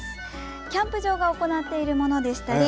キャンプ場が行っているものでしたり